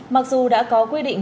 mặc dù đã có quy định